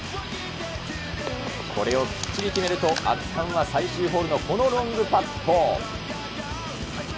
これをきっちり決めると、圧巻は最終ホールのこのロングパット。